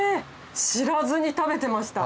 知らずに食べてました。